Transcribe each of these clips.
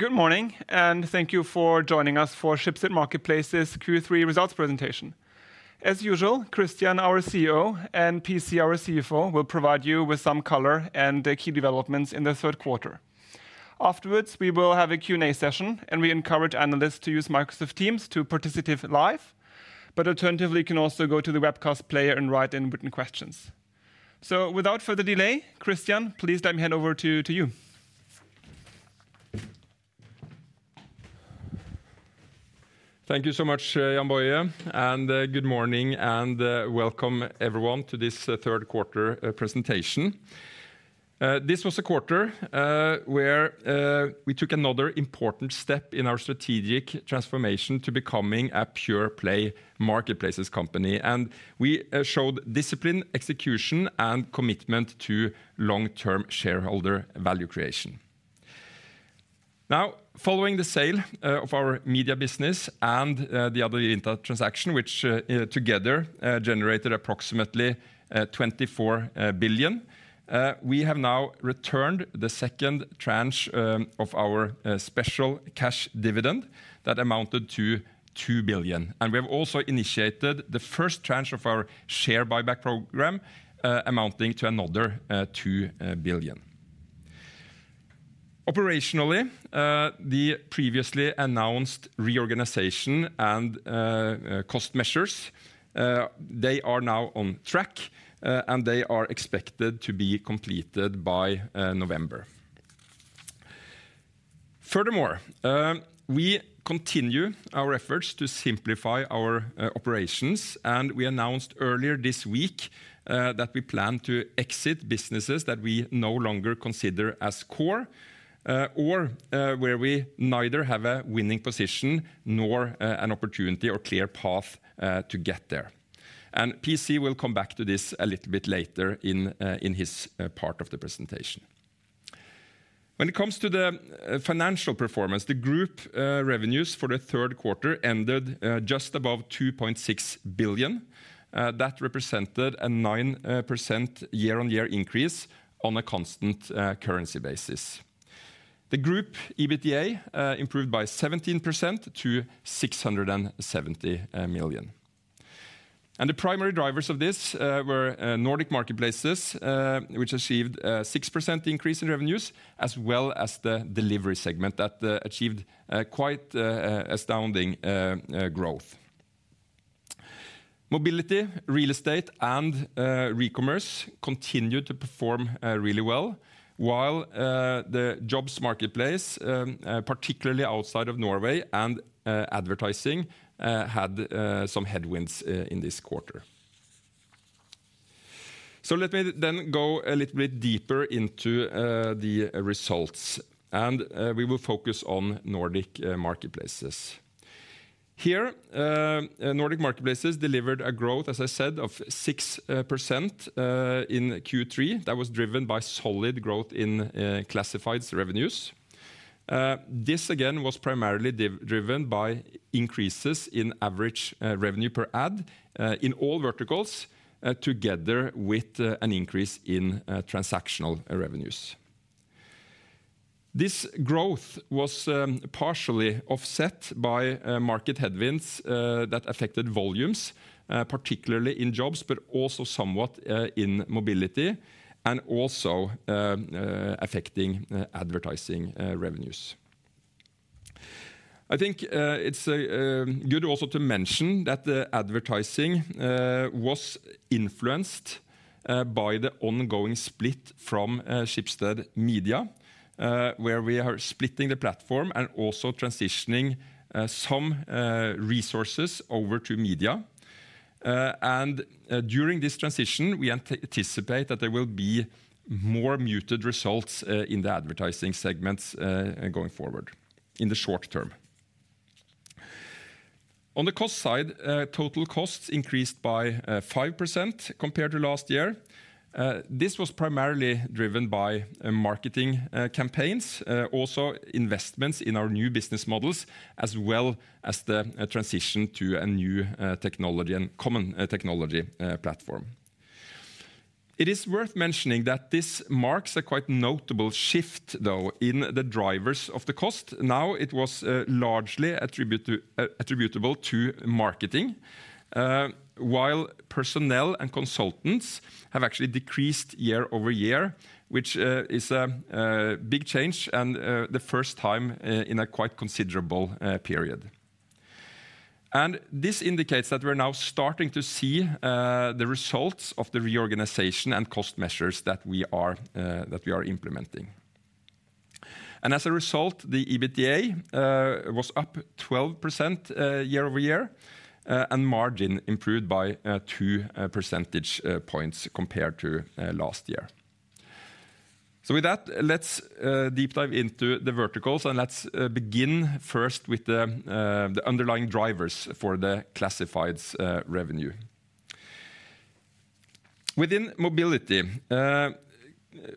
Good morning, and thank you for joining us for Schibsted Marketplaces' Q3 results presentation. As usual, Christian, our CEO, and PC, our CFO, will provide you with some color and the key developments in the third quarter. Afterwards, we will have a Q&A session, and we encourage analysts to use Microsoft Teams to participate live, but alternatively, you can also go to the webcast player and write in written questions. So without further delay, Christian, please let me hand over to you. Thank you so much, Jann-Boje, and good morning, and welcome everyone to this third quarter presentation. This was a quarter where we took another important step in our strategic transformation to becoming a pure-play marketplaces company, and we showed discipline, execution, and commitment to long-term shareholder value creation. Now, following the sale of our media business and the Adevinta transaction, which together generated approximately 24 billion, we have now returned the second tranche of our special cash dividend that amounted to 2 billion, and we have also initiated the first tranche of our share buyback program amounting to another 2 billion. Operationally, the previously announced reorganization and cost measures, they are now on track, and they are expected to be completed by November. Furthermore, we continue our efforts to simplify our operations, and we announced earlier this week that we plan to exit businesses that we no longer consider as core, or where we neither have a winning position nor an opportunity or clear path to get there. And PC will come back to this a little bit later in his part of the presentation. When it comes to the financial performance, the group revenues for the third quarter ended just above 2.6 billion. That represented a 9% year-on-year increase on a constant currency basis. The group EBITDA improved by 17% to 670 million, and the primary drivers of this were Nordic Marketplaces, which achieved a 6% increase in revenues, as well as the delivery segment that achieved quite astounding growth. Mobility, real estate, and recommerce continued to perform really well, while the jobs marketplace, particularly outside of Norway and advertising, had some headwinds in this quarter, so let me then go a little bit deeper into the results, and we will focus on Nordic Marketplaces. Here, Nordic Marketplaces delivered a growth, as I said, of 6% in Q3. That was driven by solid growth in classifieds revenues. This again was primarily driven by increases in average revenue per ad in all verticals together with an increase in transactional revenues. This growth was partially offset by market headwinds that affected volumes particularly in jobs but also somewhat in mobility and also affecting advertising revenues. I think it's good also to mention that the advertising was influenced by the ongoing split from Schibsted Media where we are splitting the platform and also transitioning some resources over to media, and during this transition we anticipate that there will be more muted results in the advertising segments going forward in the short term. On the cost side total costs increased by 5% compared to last year. This was primarily driven by marketing campaigns, also investments in our new business models, as well as the transition to a new technology and common technology platform. It is worth mentioning that this marks a quite notable shift, though, in the drivers of the cost. Now, it was largely attributable to marketing, while personnel and consultants have actually decreased year over year, which is a big change and the first time in a quite considerable period, and this indicates that we're now starting to see the results of the reorganization and cost measures that we are implementing, and as a result, the EBITDA was up 12% year over year, and margin improved by two percentage points compared to last year. So with that, let's deep dive into the verticals, and let's begin first with the underlying drivers for the classifieds revenue. Within mobility,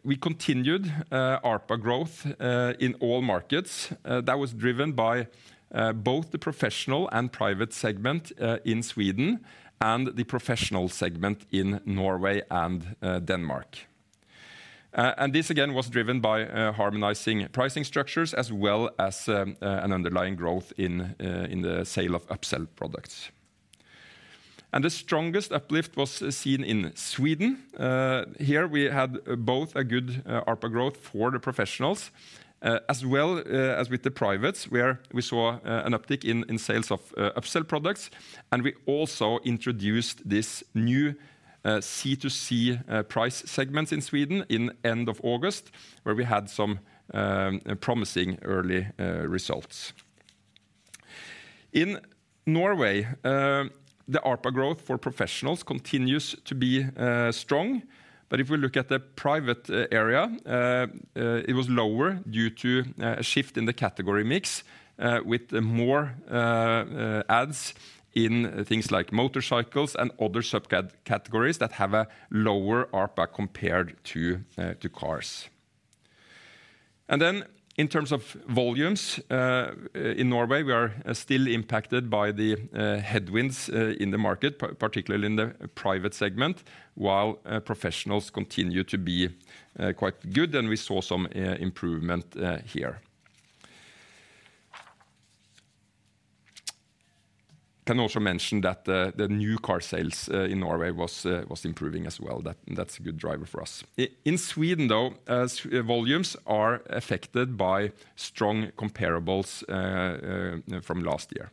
we continued ARPA growth in all markets. That was driven by both the professional and private segment in Sweden and the professional segment in Norway and Denmark. And this again was driven by harmonizing pricing structures as well as an underlying growth in the sale of upsell products. And the strongest uplift was seen in Sweden. Here we had both a good ARPA growth for the professionals, as well, as with the privates, where we saw an uptick in sales of upsell products, and we also introduced this new C2C price segment in Sweden in end of August, where we had some promising early results. In Norway, the ARPA growth for professionals continues to be strong, but if we look at the private area, it was lower due to a shift in the category mix, with the more ads in things like motorcycles and other subcategories that have a lower ARPA compared to cars. And then, in terms of volumes, in Norway, we are still impacted by the headwinds in the market, particularly in the private segment, while professionals continue to be quite good, and we saw some improvement here. Can also mention that the new car sales in Norway was improving as well. That's a good driver for us. In Sweden, though, volumes are affected by strong comparables from last year.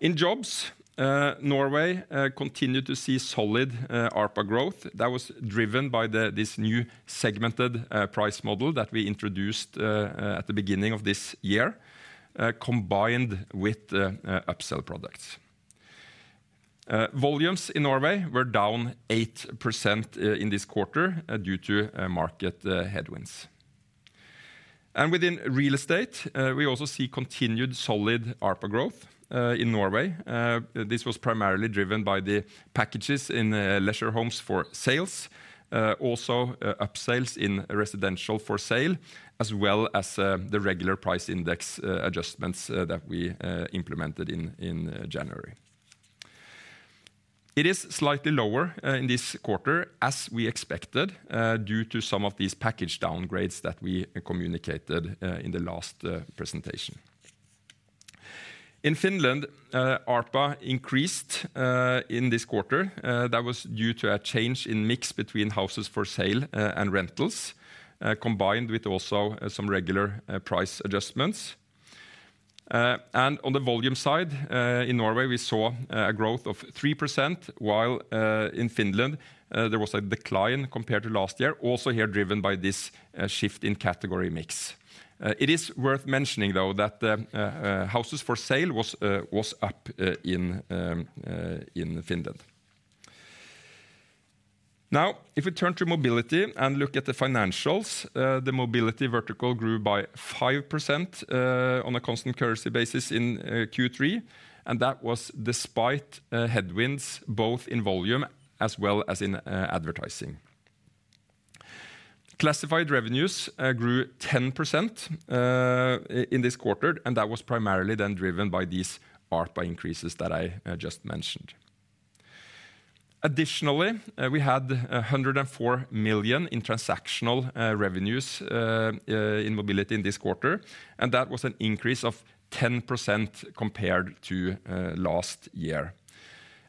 In Jobs, Norway continued to see solid ARPA growth. That was driven by this new segmented price model that we introduced at the beginning of this year, combined with the upsell products. Volumes in Norway were down 8% in this quarter due to market headwinds. Within real estate, we also see continued solid ARPA growth in Norway. This was primarily driven by the packages in leisure homes for sale, also upsales in residential for sale, as well as the regular price index adjustments that we implemented in January. It is slightly lower in this quarter, as we expected, due to some of these package downgrades that we communicated in the last presentation. In Finland, ARPA increased in this quarter. That was due to a change in mix between houses for sale and rentals, combined with also some regular price adjustments. And on the volume side, in Norway, we saw a growth of 3%, while in Finland there was a decline compared to last year, also here driven by this shift in category mix. It is worth mentioning, though, that houses for sale was up in Finland. Now, if we turn to Mobility and look at the financials, the Mobility vertical grew by 5% on a constant currency basis in Q3, and that was despite headwinds both in volume as well as in advertising. Classified revenues grew 10% in this quarter, and that was primarily then driven by these ARPA increases that I just mentioned. Additionally, we had 104 million in transactional revenues in Mobility in this quarter, and that was an increase of 10% compared to last year,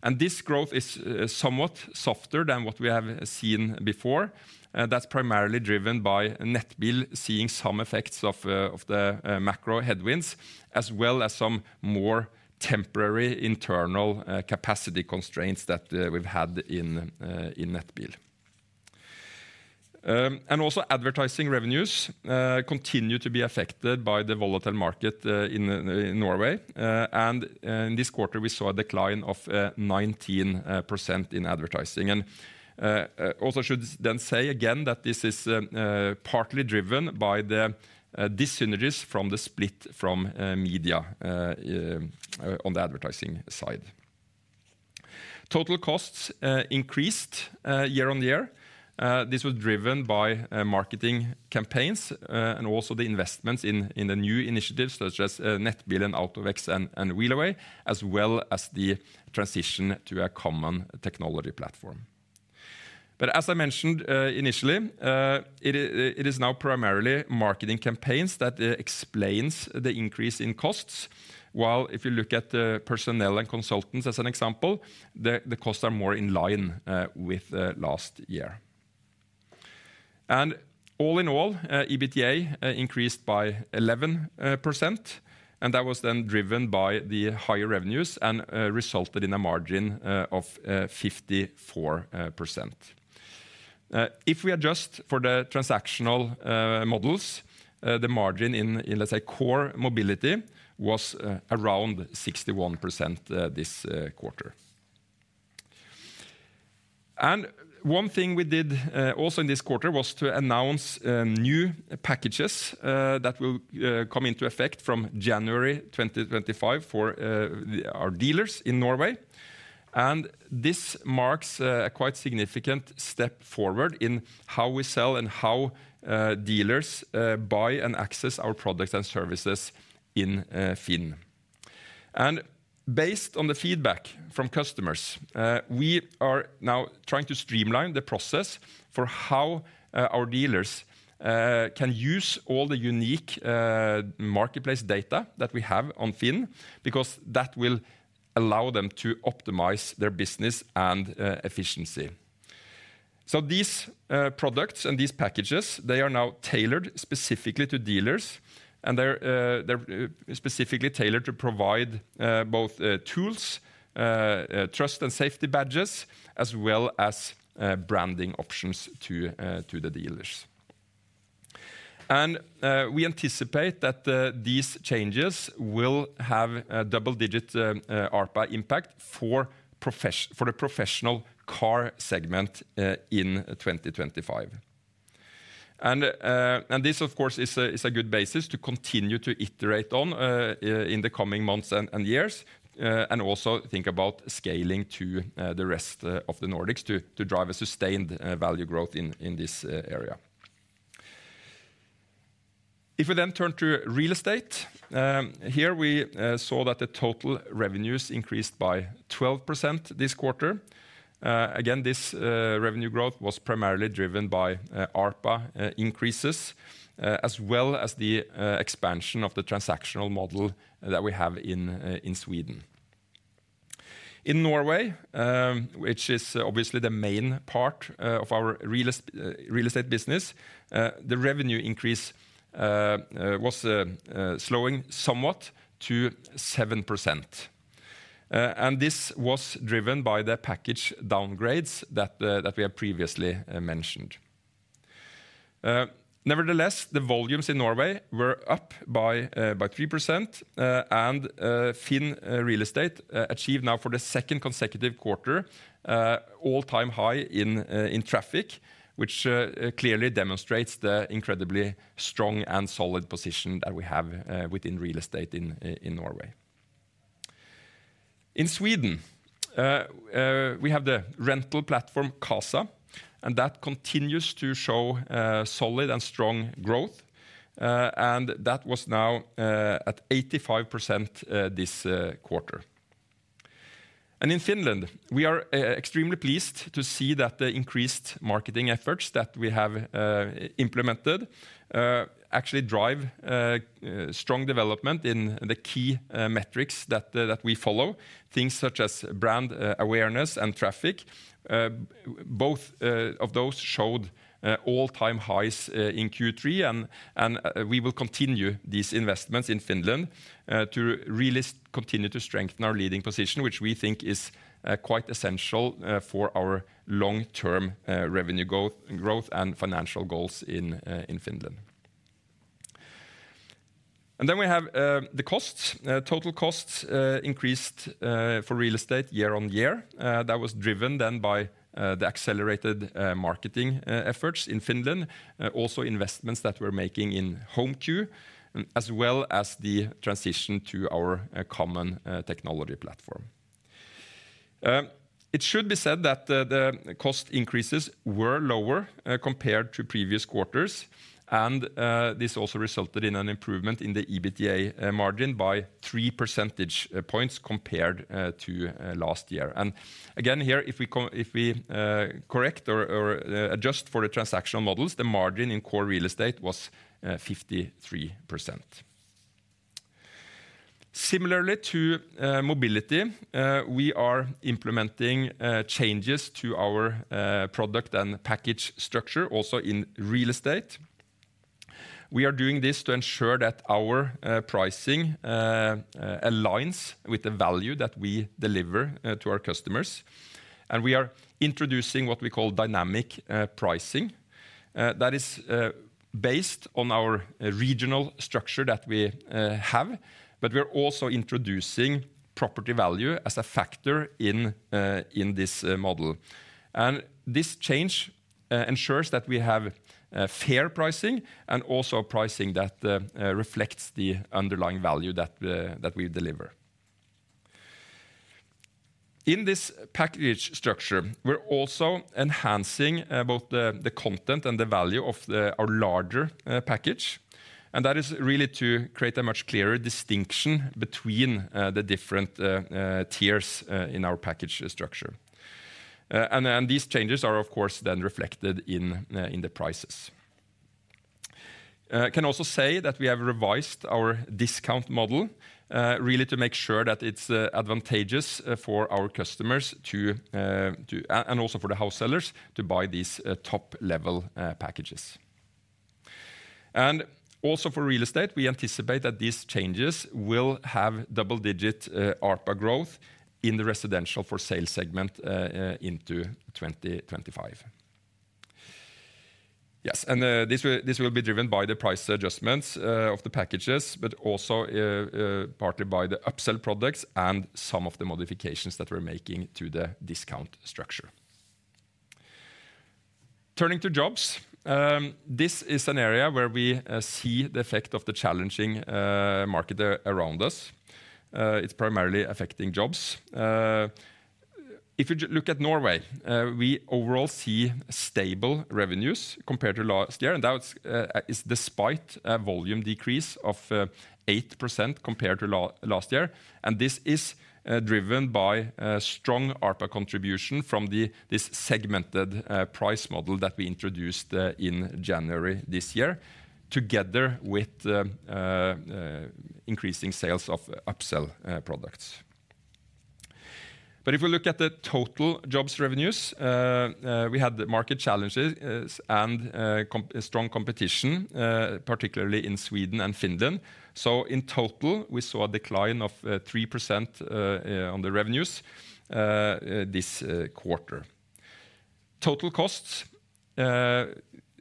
and this growth is somewhat softer than what we have seen before. That's primarily driven by Nettbil seeing some effects of the macro headwinds, as well as some more temporary internal capacity constraints that we've had in Nettbil, and also advertising revenues continue to be affected by the volatile market in Norway, and in this quarter, we saw a decline of 19% in advertising, and also should then say again that this is partly driven by the dissynergies from the split from media on the advertising side. Total costs increased year on year. This was driven by marketing campaigns and also the investments in the new initiatives, such as Nettbil and AutoVex and Wheel.me, as well as the transition to a common technology platform. But as I mentioned initially, it is now primarily marketing campaigns that explains the increase in costs, while if you look at the personnel and consultants as an example, the costs are more in line with last year. And all in all, EBITDA increased by 11%, and that was then driven by the higher revenues and resulted in a margin of 54%. If we adjust for the transactional models, the margin in, let's say, core mobility, was around 61% this quarter. One thing we did also in this quarter was to announce new packages that will come into effect from January 2025 for our dealers in Norway. This marks a quite significant step forward in how we sell and how dealers buy and access our products and services in Finn. Based on the feedback from customers, we are now trying to streamline the process for how our dealers can use all the unique marketplace data that we have on Finn, because that will allow them to optimize their business and efficiency. So these products and these packages, they are now tailored specifically to dealers, and they're specifically tailored to provide both tools, trust and safety badges, as well as branding options to the dealers. And we anticipate that these changes will have a double-digit ARPA impact for the professional car segment in twenty twenty-five. And this, of course, is a good basis to continue to iterate on in the coming months and years, and also think about scaling to the rest of the Nordics to drive a sustained value growth in this area. If we then turn to real estate, here we saw that the total revenues increased by 12% this quarter. Again, this revenue growth was primarily driven by ARPA increases, as well as the expansion of the transactional model that we have in Sweden. In Norway, which is obviously the main part of our real estate business, the revenue increase was slowing somewhat to 7%. And this was driven by the package downgrades that we have previously mentioned. Nevertheless, the volumes in Norway were up by 3%, and Finn real estate achieved now for the second consecutive quarter all-time high in traffic, which clearly demonstrates the incredibly strong and solid position that we have within real estate in Norway. In Sweden, we have the rental platform, Qasa, and that continues to show solid and strong growth, and that was now at 85% this quarter. In Finland, we are extremely pleased to see that the increased marketing efforts that we have implemented actually drive strong development in the key metrics that we follow, things such as brand awareness and traffic. Both of those showed all-time highs in Q3, and we will continue these investments in Finland to really continue to strengthen our leading position, which we think is quite essential for our long-term revenue growth and financial goals in Finland. Then we have the costs. Total costs increased for real estate year on year. That was driven then by the accelerated marketing efforts in Finland, also investments that we're making in HomeQ, as well as the transition to our common technology platform. It should be said that the cost increases were lower compared to previous quarters, and this also resulted in an improvement in the EBITDA margin by three percentage points compared to last year. And again, here, if we correct or adjust for the transactional models, the margin in core real estate was 53%. Similarly to mobility, we are implementing changes to our product and package structure also in real estate. We are doing this to ensure that our pricing aligns with the value that we deliver to our customers, and we are introducing what we call dynamic pricing. That is based on our regional structure that we have, but we're also introducing property value as a factor in this model, and this change ensures that we have fair pricing and also pricing that reflects the underlying value that we deliver. In this package structure, we're also enhancing both the content and the value of our larger package, and that is really to create a much clearer distinction between the different tiers in our package structure, and these changes are, of course, then reflected in the prices. I can also say that we have revised our discount model really to make sure that it's advantageous for our customers to, and also for the house sellers, to buy these top-level packages, and also for real estate, we anticipate that these changes will have double-digit ARPA growth in the residential for-sale segment into 2025. Yes, and this will be driven by the price adjustments of the packages, but also partly by the upsell products and some of the modifications that we're making to the discount structure. Turning to jobs, this is an area where we see the effect of the challenging market around us. It's primarily affecting jobs. If you look at Norway, we overall see stable revenues compared to last year, and that is despite a volume decrease of 8% compared to last year. This is driven by a strong ARPA contribution from this segmented price model that we introduced in January this year, together with the increasing sales of upsell products. But if we look at the total jobs revenues, we had the market challenges and strong competition, particularly in Sweden and Finland. In total, we saw a decline of 3% on the revenues this quarter. Total costs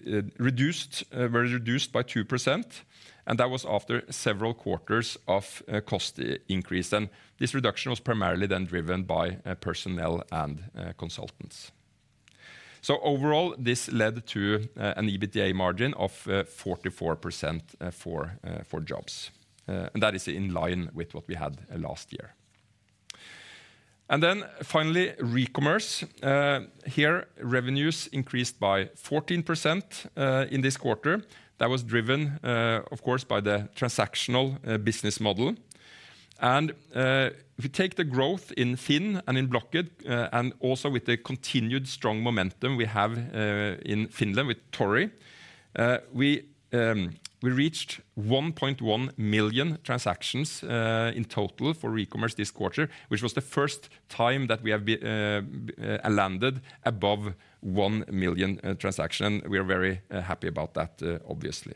were reduced by 2%, and that was after several quarters of cost increase. This reduction was primarily then driven by personnel and consultants. So overall, this led to an EBITDA margin of 44% for jobs. And that is in line with what we had last year. And then finally, Recommerce. Here, revenues increased by 14% in this quarter. That was driven of course by the transactional business model. And if we take the growth in Finn and in Blocket and also with the continued strong momentum we have in Finland with Tori, we reached 1.1 million transactions in total for Recommerce this quarter, which was the first time that we have landed above one million transaction. We are very happy about that obviously.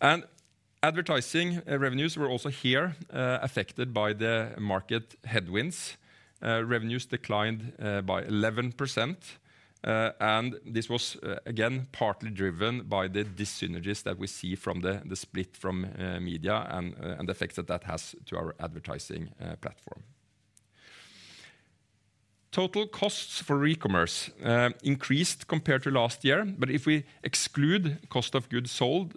And advertising revenues were also here affected by the market headwinds. Revenues declined by 11%, and this was again partly driven by the dis-synergies that we see from the split from media and the effect that that has to our advertising platform. Total costs for Recommerce increased compared to last year, but if we exclude cost of goods sold,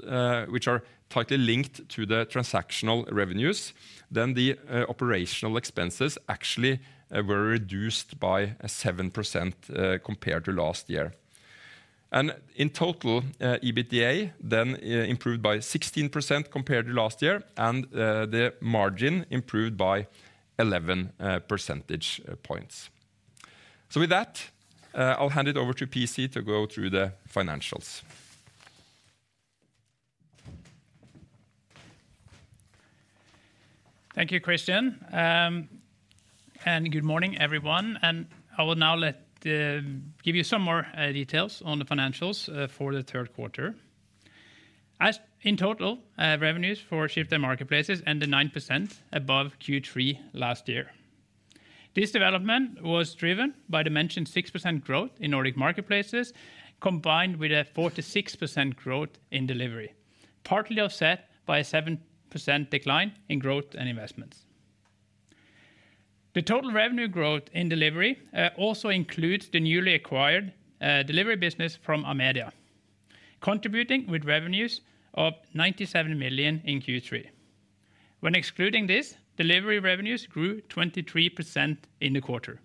which are tightly linked to the transactional revenues, then the operational expenses actually were reduced by 7% compared to last year, and in total, EBITDA then improved by 16% compared to last year, and the margin improved by 11 percentage points. So with that, I'll hand it over to PC to go through the financials. Thank you, Christian, and good morning, everyone, and I will now give you some more details on the financials for the third quarter. In total, revenues for Schibsted Marketplaces were 9% above Q3 last year. This development was driven by the mentioned 6% growth in Nordic marketplaces, combined with a 46% growth in delivery, partly offset by a 7% decline in growth and investments. The total revenue growth in delivery also includes the newly acquired delivery business from Amedia, contributing with revenues of 97 million in Q3. When excluding this, delivery revenues grew 23% in the quarter.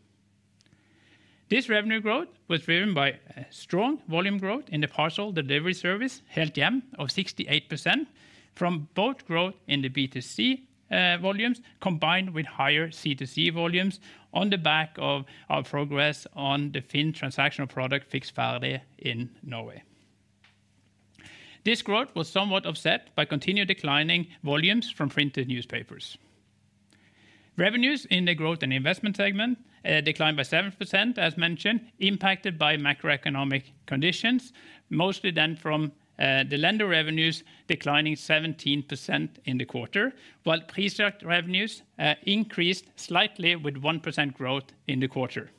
This revenue growth was driven by a strong volume growth in the parcel delivery service, Helthjem, of 68%, from both growth in the B2C, volumes, combined with higher C2C volumes on the back of our progress on the Finn transactional product, Fiks ferdig, in Norway. This growth was somewhat offset by continued declining volumes from printed newspapers. Revenues in the growth and investment segment, declined by 7%, as mentioned, impacted by macroeconomic conditions, mostly then from, the Lendo revenues declining 17% in the quarter, while Prisjakt revenues, increased slightly with 1% growth in the quarter.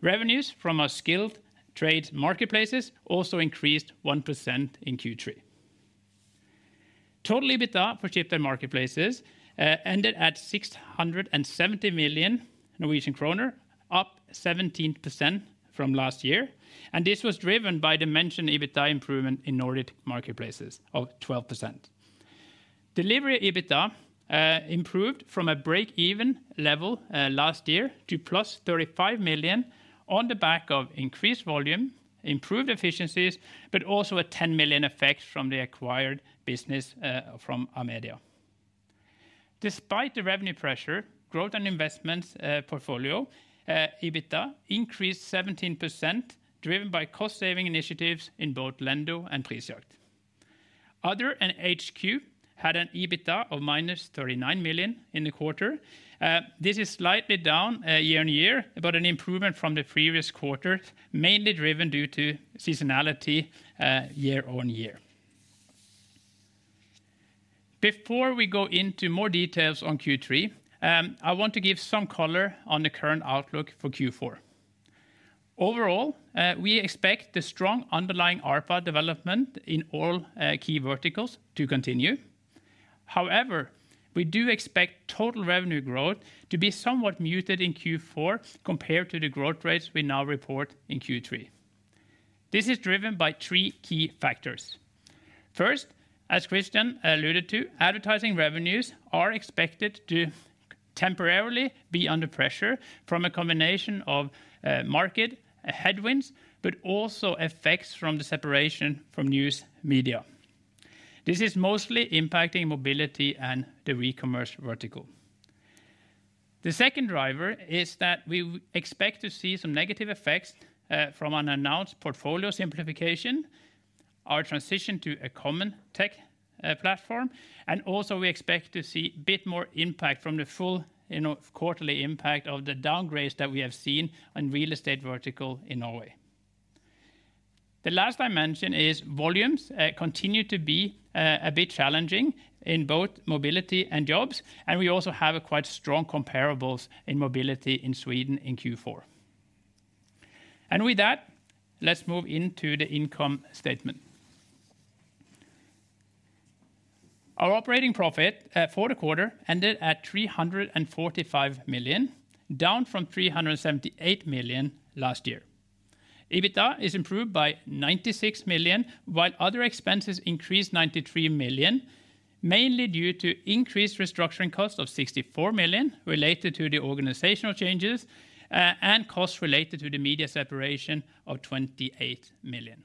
Revenues from our skilled trades marketplaces also increased 1% in Q3. Total EBITDA for Schibsted Marketplaces, ended at 670 million Norwegian kroner, up 17% from last year, and this was driven by the mentioned EBITDA improvement in Nordic marketplaces of 12%. Delivery EBITDA improved from a break-even level last year to plus 35 million on the back of increased volume, improved efficiencies, but also a 10 million effect from the acquired business from Amedia. Despite the revenue pressure, growth and investments portfolio EBITDA increased 17%, driven by cost-saving initiatives in both Lendo and Prisjakt. Other and HQ had an EBITDA of minus 39 million in the quarter. This is slightly down year on year, but an improvement from the previous quarter, mainly driven due to seasonality year on year. Before we go into more details on Q3, I want to give some color on the current outlook for Q4. Overall, we expect the strong underlying ARPA development in all key verticals to continue. However, we do expect total revenue growth to be somewhat muted in Q4 compared to the growth rates we now report in Q3. This is driven by three key factors. First, as Christian alluded to, advertising revenues are expected to temporarily be under pressure from a combination of market headwinds, but also effects from the separation from news media. This is mostly impacting Mobility and the Recommerce vertical. The second driver is that we expect to see some negative effects from an announced portfolio simplification, our transition to a common tech platform, and also we expect to see a bit more impact from the full, you know, quarterly impact of the downgrades that we have seen on Real Estate vertical in Norway. The last I mentioned is volumes, continue to be a bit challenging in both mobility and jobs, and we also have quite strong comparables in mobility in Sweden in Q4. With that, let's move into the income statement. Our operating profit for the quarter ended at 345 million, down from 378 million last year. EBITDA is improved by 96 million, while other expenses increased 93 million, mainly due to increased restructuring costs of 64 million related to the organizational changes, and costs related to the media separation of 28 million.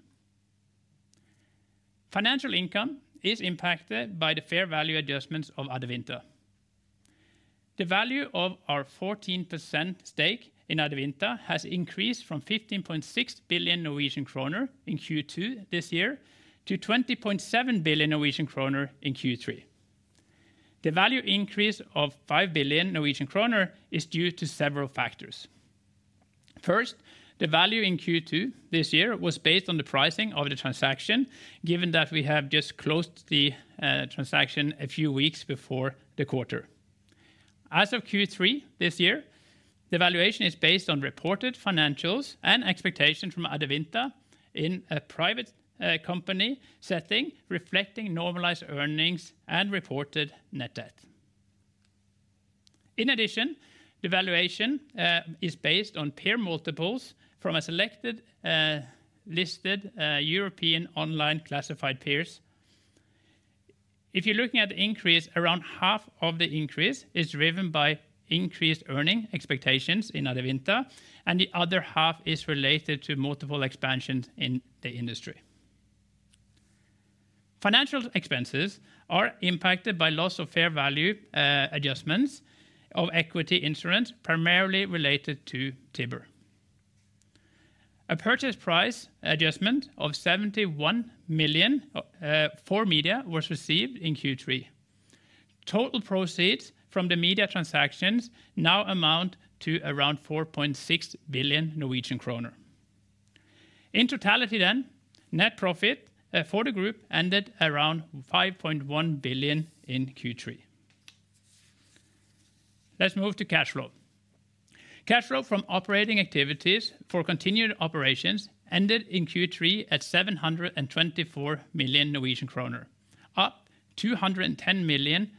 Financial income is impacted by the fair value adjustments of Adevinta. The value of our 14% stake in Adevinta has increased from 15.6 billion Norwegian kroner in Q2 this year to 20.7 billion Norwegian kroner in Q3. The value increase of 5 billion Norwegian kroner is due to several factors. First, the value in Q2 this year was based on the pricing of the transaction, given that we have just closed the transaction a few weeks before the quarter. As of Q3 this year, the valuation is based on reported financials and expectations from Adevinta in a private company setting, reflecting normalized earnings and reported net debt. In addition, the valuation is based on peer multiples from a selected listed European online classified peers. If you're looking at the increase, around half of the increase is driven by increased earning expectations in Adevinta, and the other half is related to multiple expansions in the industry. Financial expenses are impacted by loss of fair value adjustments of equity instruments, primarily related to Tibber. A purchase price adjustment of 71 million for media was received in Q3. Total proceeds from the media transactions now amount to around 4.6 billion Norwegian kroner. In totality then, net profit for the group ended around 5.1 billion in Q3. Let's move to cash flow. Cash flow from operating activities for continued operations ended in Q3 at 724 million Norwegian kroner, up 210 million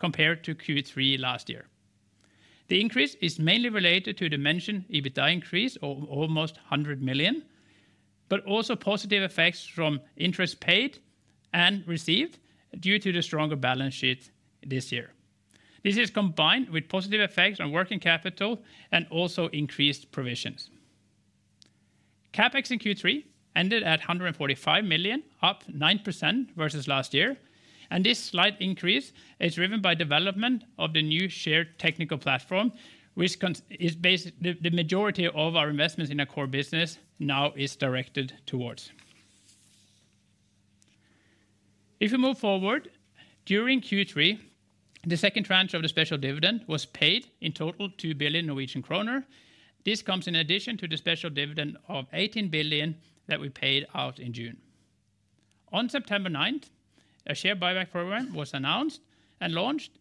compared to Q3 last year. The increase is mainly related to the mentioned EBITDA increase of almost 100 million, but also positive effects from interest paid and received due to the stronger balance sheet this year. This is combined with positive effects on working capital and also increased provisions. CapEx in Q3 ended at 145 million NOK, up 9% versus last year, and this slight increase is driven by development of the new shared technical platform, which the majority of our investments in a core business now is directed towards. If you move forward, during Q3, the second tranche of the special dividend was paid in total 2 billion Norwegian kroner. This comes in addition to the special dividend of 18 billion that we paid out in June. On September ninth, a share buyback program was announced and launched.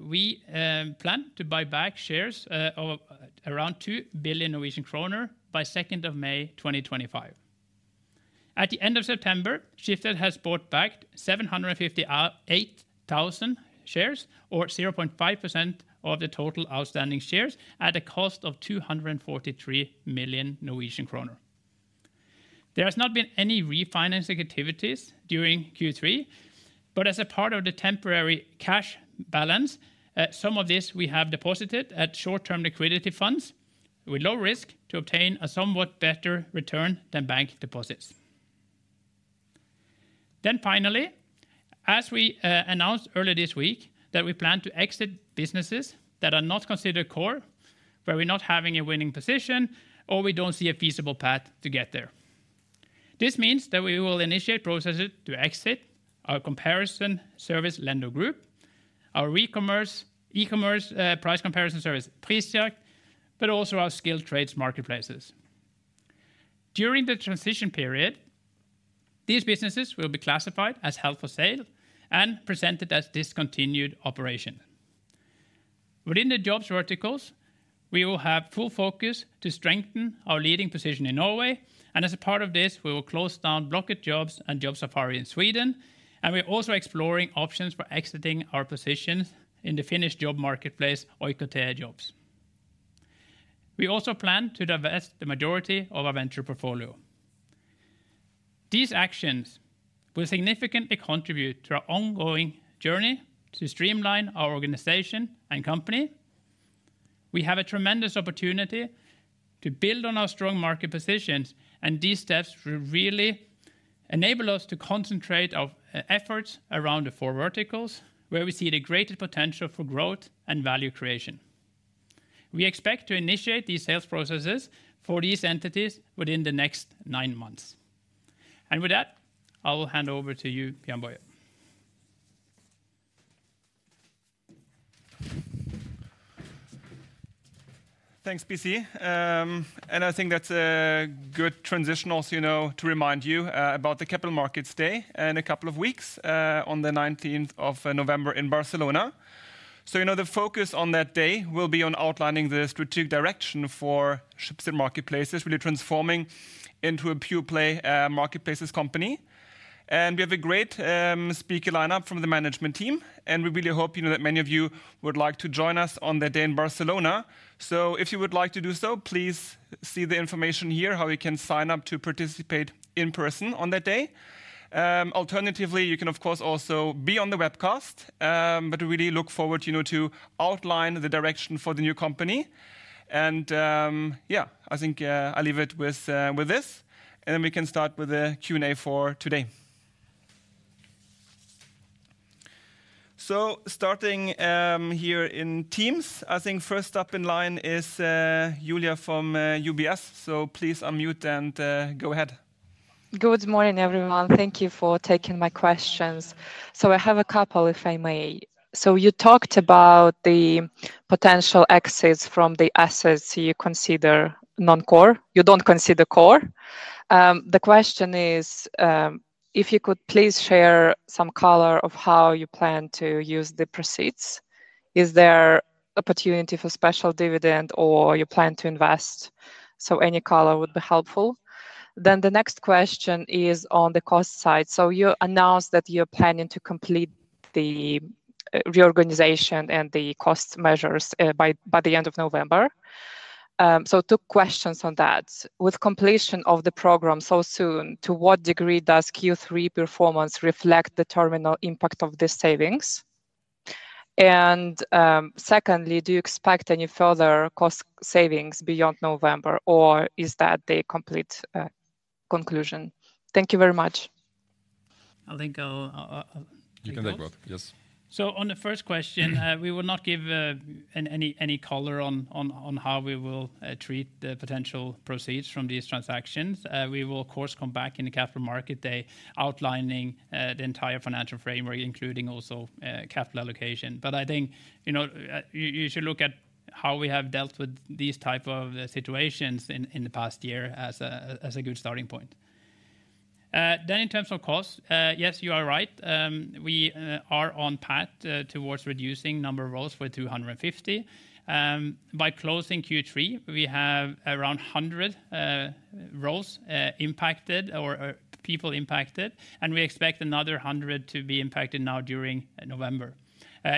We planned to buy back shares of around 2 billion Norwegian kroner by second of May 2025. At the end of September, Schibsted has bought back 758,000 shares, or 0.5% of the total outstanding shares, at a cost of 243 million Norwegian kroner. There has not been any refinancing activities during Q3, but as a part of the temporary cash balance, some of this we have deposited at short-term liquidity funds with low risk to obtain a somewhat better return than bank deposits. Then finally, as we announced earlier this week, that we plan to exit businesses that are not considered core, where we're not having a winning position, or we don't see a feasible path to get there. This means that we will initiate processes to exit our comparison service, Lendo Group, our e-commerce price comparison service, Prisjakt, but also our skilled trades marketplaces. During the transition period, these businesses will be classified as held for sale and presented as discontinued operation. Within the jobs verticals, we will have full focus to strengthen our leading position in Norway, and as a part of this, we will close down Blocket Jobs and Jobbsafari in Sweden, and we are also exploring options for exiting our positions in the Finnish job marketplace, Oikotie Jobs. We also plan to divest the majority of our venture portfolio. These actions will significantly contribute to our ongoing journey to streamline our organization and company. We have a tremendous opportunity to build on our strong market positions, and these steps will really enable us to concentrate our efforts around the four verticals, where we see the greatest potential for growth and value creation. We expect to initiate these sales processes for these entities within the next nine months. With that, I will hand over to you, Jann-Boje. Thanks, PC. And I think that's a good transition also, you know, to remind you about the Capital Markets Day in a couple of weeks on the nineteenth of November in Barcelona. So, you know, the focus on that day will be on outlining the strategic direction for Schibsted Marketplaces, really transforming into a pure play marketplaces company. And we have a great speaker lineup from the management team, and we really hope, you know, that many of you would like to join us on that day in Barcelona. So if you would like to do so, please see the information here, how you can sign up to participate in person on that day. Alternatively, you can, of course, also be on the webcast. But we really look forward, you know, to outline the direction for the new company. Yeah, I think I'll leave it with this, and then we can start with the Q&A for today. So starting here in Teams, I think first up in line is Yulia from UBS. So please unmute and go ahead. Good morning, everyone. Thank you for taking my questions. So I have a couple, if I may. So you talked about the potential exits from the assets you consider non-core... You don't consider core. The question is, if you could please share some color of how you plan to use the proceeds. Is there opportunity for special dividend or you plan to invest? So any color would be helpful. Then the next question is on the cost side. So you announced that you're planning to complete the reorganization and the cost measures, by the end of November. So two questions on that: With completion of the program so soon, to what degree does Q3 performance reflect the terminal impact of the savings? And, secondly, do you expect any further cost savings beyond November, or is that the complete conclusion? Thank you very much. I think I'll You can take both. Yes. So on the first question, we will not give any color on how we will treat the potential proceeds from these transactions. We will, of course, come back in the Capital Markets Day, outlining the entire financial framework, including also capital allocation. But I think, you know, you should look at how we have dealt with these type of situations in the past year as a good starting point. Then in terms of cost, yes, you are right. We are on path towards reducing number of roles for 250. By closing Q3, we have around 100 roles impacted or people impacted, and we expect another 100 to be impacted now during November.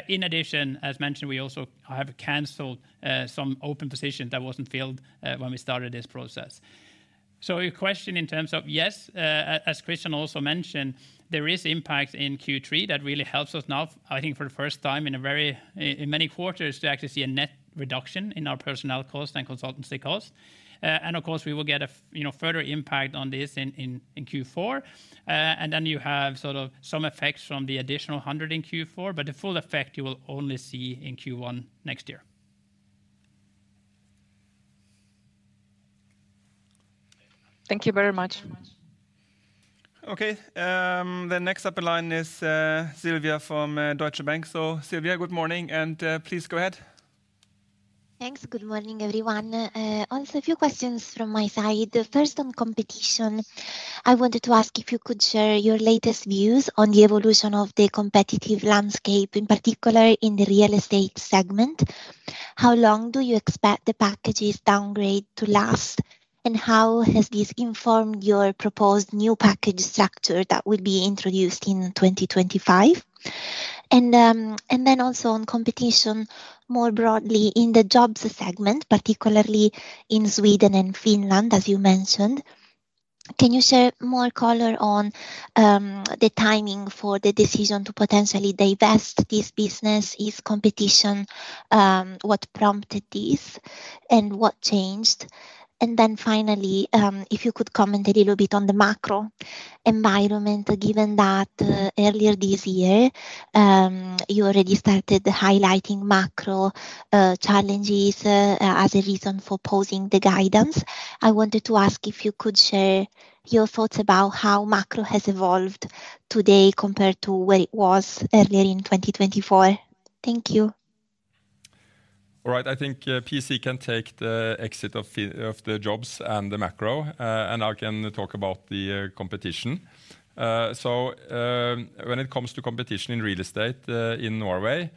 In addition, as mentioned, we also have canceled some open positions that wasn't filled when we started this process, so your question in terms of... Yes, as Christian also mentioned, there is impact in Q3 that really helps us now, I think, for the first time in many quarters, to actually see a net reduction in our personnel cost and consultancy cost, and of course, we will get a further impact on this in Q4, and then you have sort of some effects from the additional hundred in Q4, but the full effect you will only see in Q1 next year. Thank you very much. Okay, the next up in line is Silvia from Deutsche Bank. So, Silvia, good morning, and please go ahead. Thanks. Good morning, everyone. Also a few questions from my side. First, on competition, I wanted to ask if you could share your latest views on the evolution of the competitive landscape, in particular in the real estate segment. How long do you expect the packages downgrade to last, and how has this informed your proposed new package structure that will be introduced in 2025? And then also on competition, more broadly in the jobs segment, particularly in Sweden and Finland, as you mentioned, can you share more color on the timing for the decision to potentially divest this business? Is competition what prompted this, and what changed? And then finally, if you could comment a little bit on the macro environment, given that, earlier this year, you already started highlighting macro challenges as a reason for pausing the guidance. I wanted to ask if you could share your thoughts about how macro has evolved today compared to where it was earlier in twenty twenty-four. Thank you. All right. I think, PC can take the exit of the jobs and the macro, and I can talk about the competition. So, when it comes to competition in real estate, in Norway,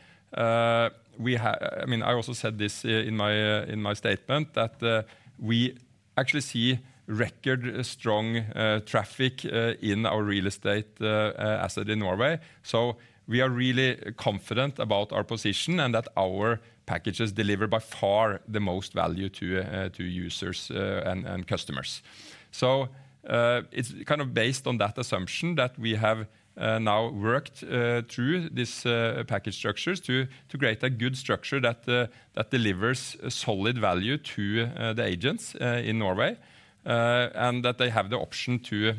we have... I mean, I also said this, in my statement, that, we-... actually see record strong traffic in our real estate asset in Norway. So we are really confident about our position and that our packages deliver by far the most value to users and customers. So it's kind of based on that assumption that we have now worked through this package structures to create a good structure that delivers solid value to the agents in Norway. And that they have the option to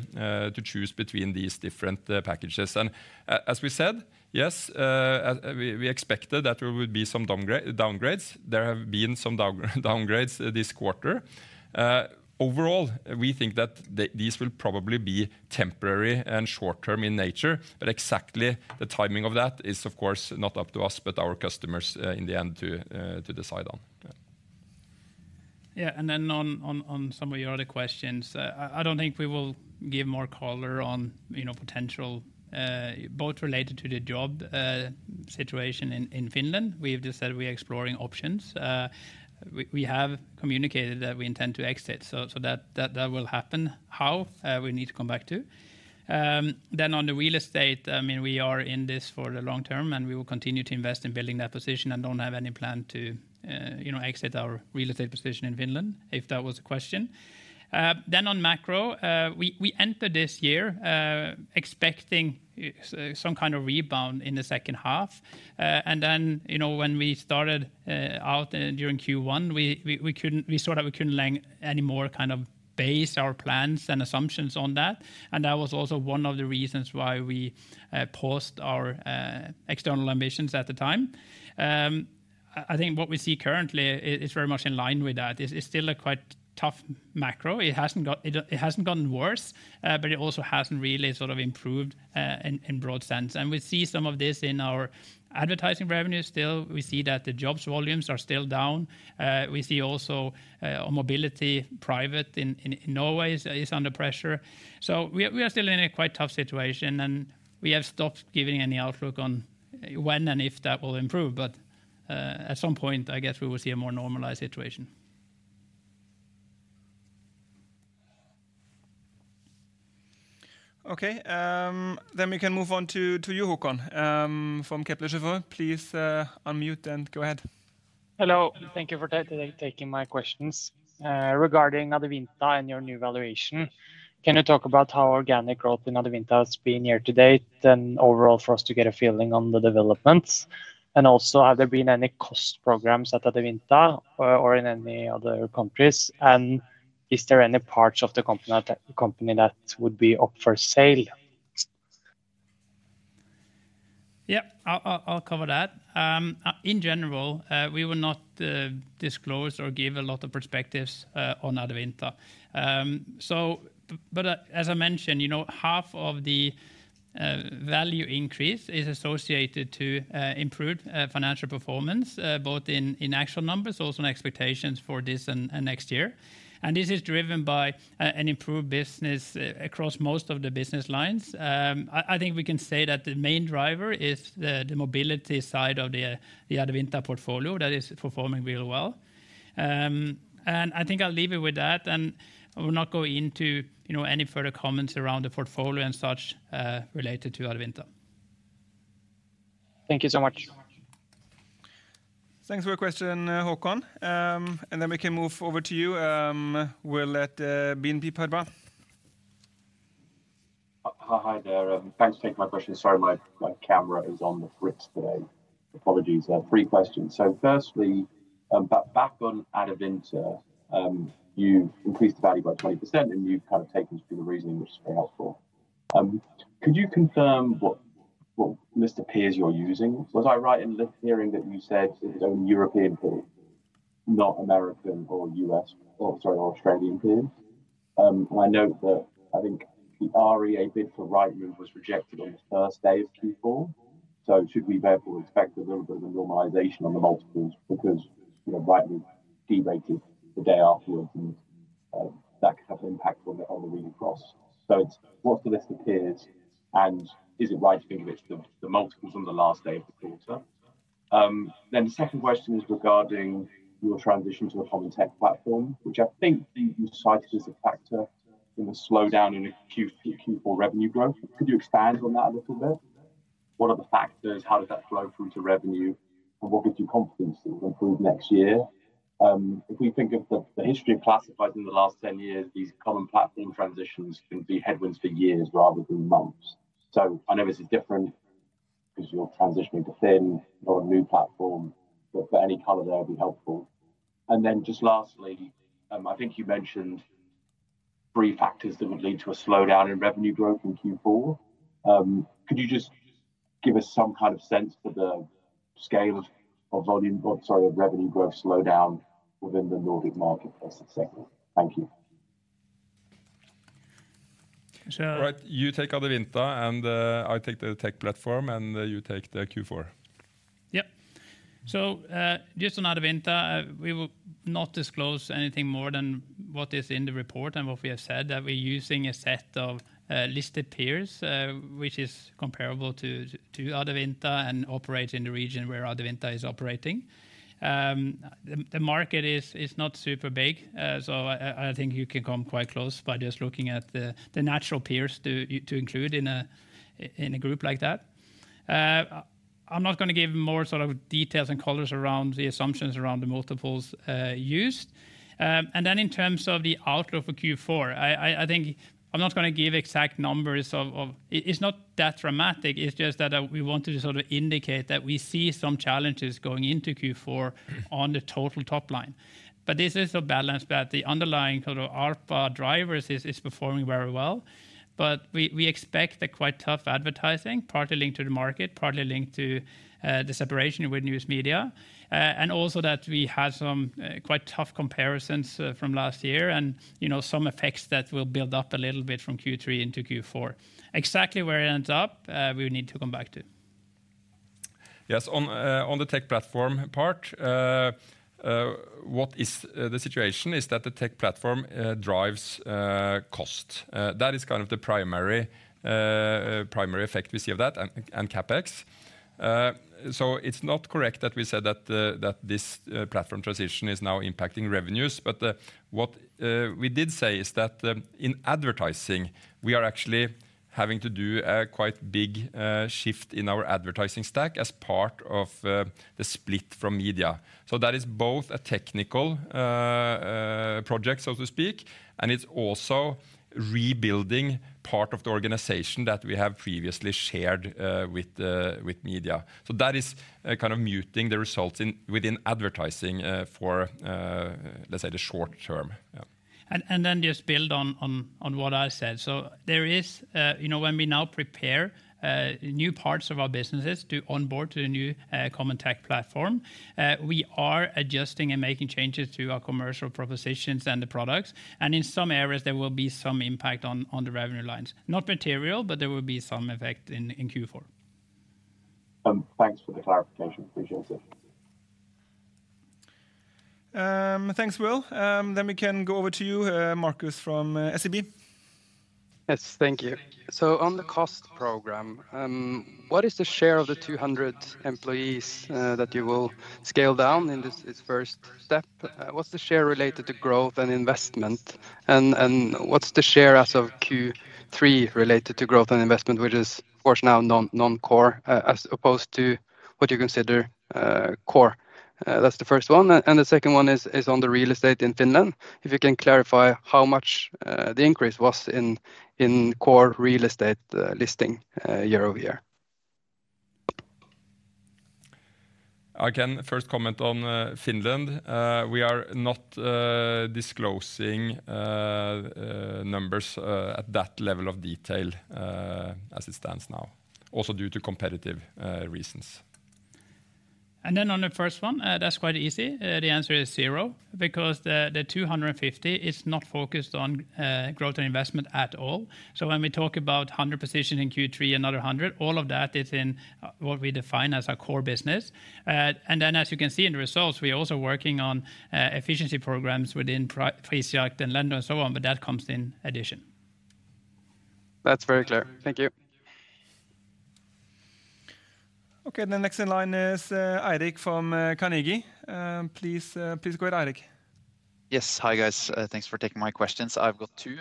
choose between these different packages. And as we said, yes, we expected that there would be some downgrades. There have been some downgrades this quarter. Overall, we think that these will probably be temporary and short-term in nature, but exactly the timing of that is, of course, not up to us, but our customers, in the end, to decide on. Yeah. Yeah, and then on some of your other questions, I don't think we will give more color on, you know, potential both related to the job situation in Finland. We've just said we're exploring options. We have communicated that we intend to exit, so that will happen. How? We need to come back to. Then on the real estate, I mean, we are in this for the long term, and we will continue to invest in building that position and don't have any plan to, you know, exit our real estate position in Finland, if that was a question. Then on macro, we entered this year expecting some kind of rebound in the second half. And then, you know, when we started out during Q1, we saw that we couldn't anymore kind of base our plans and assumptions on that, and that was also one of the reasons why we paused our external ambitions at the time. I think what we see currently is very much in line with that. It's still a quite tough macro. It hasn't gotten worse, but it also hasn't really sort of improved in broad sense. And we see some of this in our advertising revenue. Still, we see that the jobs volumes are still down. We see also mobility private in Norway is under pressure. So we are still in a quite tough situation, and we have stopped giving any outlook on when and if that will improve. But, at some point, I guess we will see a more normalized situation. Okay, then we can move on to you, Håkon, from Kepler Cheuvreux. Please, unmute and go ahead. Hello. Thank you for taking my questions. Regarding Adevinta and your new valuation, can you talk about how organic growth in Adevinta has been year to date, and overall for us to get a feeling on the developments? And also, have there been any cost programs at Adevinta or in any other countries, and is there any parts of the company that would be up for sale? Yeah, I'll cover that. In general, we will not disclose or give a lot of perspectives on Adevinta, but as I mentioned, you know, half of the value increase is associated to improved financial performance both in actual numbers, also in expectations for this and next year, and this is driven by an improved business across most of the business lines. I think we can say that the main driver is the mobility side of the Adevinta portfolio. That is performing really well, and I think I'll leave it with that, and I will not go into, you know, any further comments around the portfolio and such related to Adevinta. Thank you so much. Thanks for your question, Håkon. And then we can move over to you. Will at BNP Paribas. Hi, hi there. Thanks for taking my questions. Sorry, my camera is on the fritz today. Apologies. I have three questions. So firstly, back on Adevinta, you've increased the value by 20%, and you've kind of taken us through the reasoning, which is very helpful. Could you confirm what list of peers you're using? Was I right in hearing that you said it's only European peers, not American or U.S or, sorry, or Australian peers? I note that I think the REA bid for Rightmove was rejected on the first day of Q4, so should we therefore expect a little bit of a normalization on the multiples because, you know, Rightmove derated the day afterwards, and that could have an impact on the reading across. It's, what's the list of peers, and is it right to think of it, the multiples on the last day of the quarter? Then the second question is regarding your transition to a common tech platform, which I think you cited as a factor in the slowdown in Q4 revenue growth. Could you expand on that a little bit? What are the factors? How does that flow through to revenue, and what gives you confidence it will improve next year? If we think of the history of classifieds in the last ten years, these common platform transitions can be headwinds for years rather than months. I know this is different, because you're transitioning to Finn or a new platform, but for any color there would be helpful. And then just lastly, I think you mentioned three factors that would lead to a slowdown in revenue growth in Q4. Could you just give us some kind of sense for the scale of volume, or sorry, of revenue growth slowdown within the Nordic market for us this second? Thank you. Sure. Right, you take Adevinta, and I take the tech platform, and you take the Q4. Yep. So, just on Adevinta, we will not disclose anything more than what is in the report and what we have said, that we're using a set of listed peers, which is comparable to Adevinta and operate in the region where Adevinta is operating. The market is not super big. So I think you can come quite close by just looking at the natural peers to include in a group like that. I'm not gonna give more sort of details and colors around the assumptions around the multiples used. And then in terms of the outlook for Q4, I think I'm not gonna give exact numbers. It's not that dramatic, it's just that we want to sort of indicate that we see some challenges going into Q4 on the total top line. But this is a balance that the underlying sort of ARPA drivers is performing very well. But we expect a quite tough advertising, partly linked to the market, partly linked to the separation with news media. And also that we had some quite tough comparisons from last year and, you know, some effects that will build up a little bit from Q3 into Q4. Exactly where it ends up, we need to come back to. Yes, on the tech platform part, what the situation is that the tech platform drives cost. That is kind of the primary effect we see of that and CapEx. So it's not correct that we said that this platform transition is now impacting revenues. But what we did say is that in advertising, we are actually having to do a quite big shift in our advertising stack as part of the split from media. So that is both a technical project, so to speak, and it's also rebuilding part of the organization that we have previously shared with media. So that is kind of muting the results within advertising for let's say the short term. Yeah. And then just build on what I said. So there is. You know, when we now prepare new parts of our businesses to onboard to the new common tech platform, we are adjusting and making changes to our commercial propositions and the products. And in some areas there will be some impact on the revenue lines. Not material, but there will be some effect in Q4. Thanks for the clarification. Appreciate it. Thanks, Will. Then we can go over to you, Marcus from SEB. Yes, thank you. So on the cost program, what is the share of the 200 employees that you will scale down in this, its first step? What's the share related to growth and investment? And what's the share as of Q3 related to growth and investment, which is, of course, now non-core, as opposed to what you consider core? That's the first one. And the second one is on the real estate in Finland. If you can clarify how much the increase was in core real estate listing year-over-year. I can first comment on Finland. We are not disclosing numbers at that level of detail as it stands now, also due to competitive reasons. And then on the first one, that's quite easy. The answer is zero, because the two hundred and fifty is not focused on growth and investment at all. So when we talk about hundred positions in Q3, another hundred, all of that is in what we define as our core business. And then as you can see in the results, we are also working on efficiency programs within Prisjakt and Lendo, and so on, but that comes in addition. That's very clear. Thank you. Okay, the next in line is Eirik from Carnegie. Please go ahead, Eirik. Yes. Hi, guys. Thanks for taking my questions. I've got two.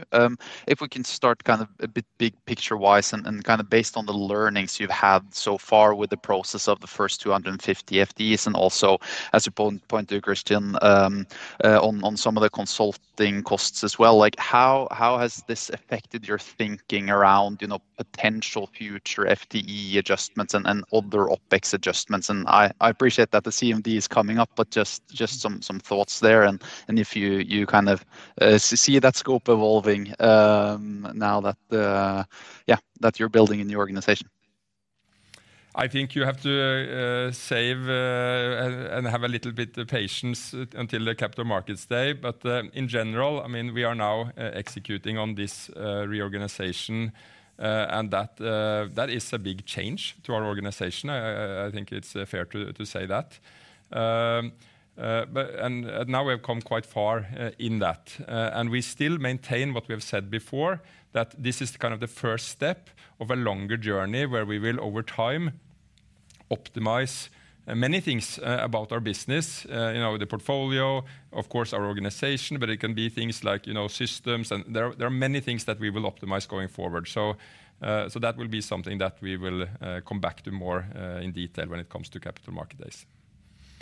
If we can start kind of a bit big picture-wise and kind of based on the learnings you've had so far with the process of the first 250 FDs, and also, as you pointed to Christian, on some of the consulting costs as well, like, how has this affected your thinking around, you know, potential future FTE adjustments and other OpEx adjustments? I appreciate that the CMD is coming up, but just some thoughts there, and if you kind of see that scope evolving, now that yeah that you're building in the organization. I think you have to save and have a little bit of patience until the Capital Markets Day, but in general, I mean, we are now executing on this reorganization, and that is a big change to our organization. I think it's fair to say that, but now we have come quite far in that, and we still maintain what we have said before, that this is kind of the first step of a longer journey where we will, over time, optimize many things about our business. You know, the portfolio, of course, our organization, but it can be things like, you know, systems and there are many things that we will optimize going forward. That will be something that we will come back to more in detail when it comes to Capital Markets Day.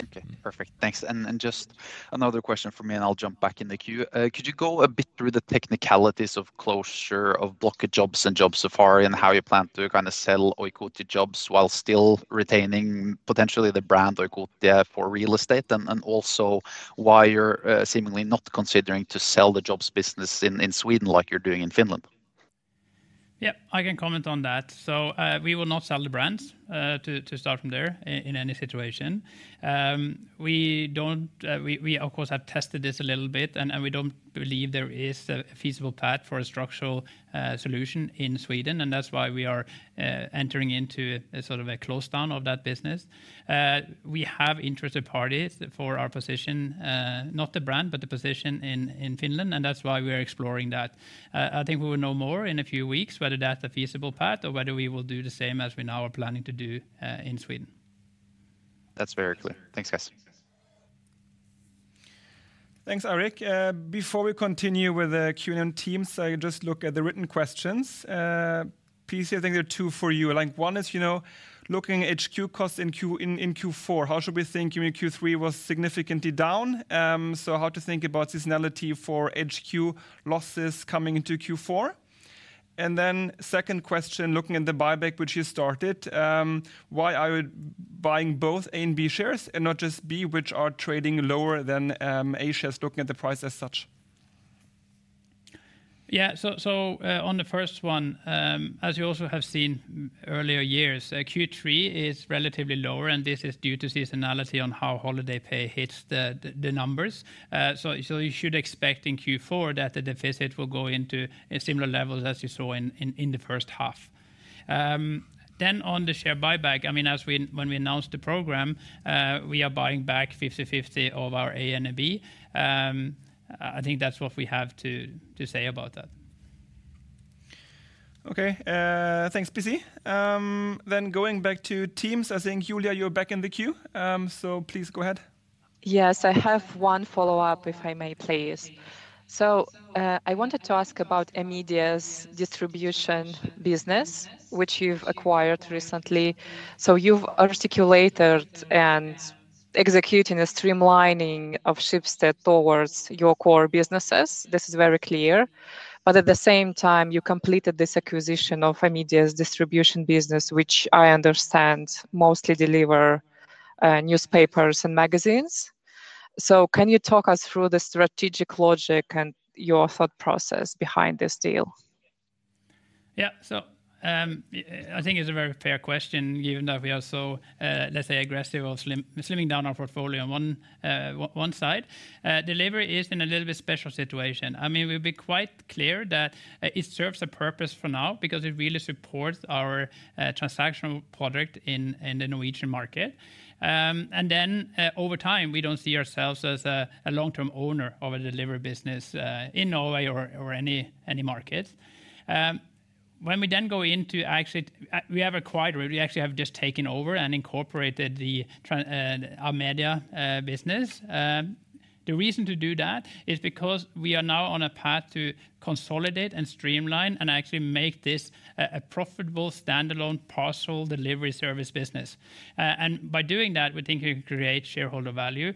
Okay, perfect. Thanks. And just another question from me, and I'll jump back in the queue. Could you go a bit through the technicalities of closure of Blocket Jobs and Jobbsafari, and how you plan to kind of sell Oikotie jobs while still retaining potentially the brand Oikotie there for real estate? And also, why you're seemingly not considering to sell the jobs business in Sweden like you're doing in Finland? Yeah, I can comment on that, so we will not sell the brands, to start from there, in any situation. We, of course, have tested this a little bit, and we don't believe there is a feasible path for a structural solution in Sweden, and that's why we are entering into a sort of a close down of that business. We have interested parties for our position, not the brand, but the position in Finland, and that's why we are exploring that. I think we will know more in a few weeks whether that's a feasible path or whether we will do the same as we now are planning to do, in Sweden. That's very clear. Thanks, guys.... Thanks, Eric. Before we continue with the Q&A teams, I just look at the written questions. PC, I think there are two for you. Like, one is, you know, looking HQ costs in Q4, how should we think? Q3 was significantly down. So how to think about seasonality for HQ losses coming into Q4? And then second question, looking at the buyback, which you started, why are you buying both A and B shares and not just B, which are trading lower than A shares, looking at the price as such? Yeah. So on the first one, as you also have seen earlier years, Q3 is relatively lower, and this is due to seasonality on how holiday pay hits the numbers. So you should expect in Q4 that the deficit will go into a similar level as you saw in the first half. Then on the share buyback, I mean, when we announced the program, we are buying back fifty-fifty of our A and B. I think that's what we have to say about that. Okay. Thanks, PC, then going back to Teams, I think, Yulia, you're back in the queue, so please go ahead. Yes, I have one follow-up, if I may, please. So, I wanted to ask about Amedia's distribution business, which you've acquired recently. So you've articulated and executing a streamlining of Schibsted towards your core businesses. This is very clear, but at the same time, you completed this acquisition of Amedia's distribution business, which I understand mostly deliver newspapers and magazines. So can you talk us through the strategic logic and your thought process behind this deal? Yeah. So, I think it's a very fair question, given that we are so, let's say, aggressive or slimming down our portfolio on one side. Delivery is in a little bit special situation. I mean, we've been quite clear that it serves a purpose for now because it really supports our transactional product in the Norwegian market, and then, over time, we don't see ourselves as a long-term owner of a delivery business in Norway or any markets. We actually have just taken over and incorporated the Amedia business. The reason to do that is because we are now on a path to consolidate and streamline and actually make this a profitable, standalone parcel delivery service business. And by doing that, we think we can create shareholder value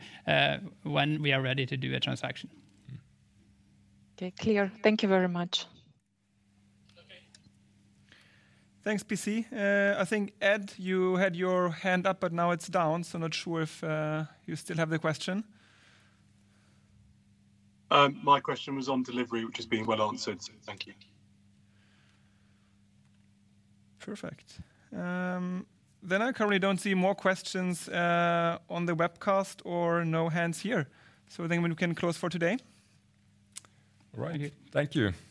when we are ready to do a transaction. Okay, clear. Thank you very much. Okay. Thanks, PC. I think, Ed, you had your hand up, but now it's down, so I'm not sure if you still have the question. My question was on delivery, which has been well answered, so thank you. Perfect. Then I currently don't see more questions on the webcast or no hands here. So I think we can close for today. All right. Thank you. Thank you.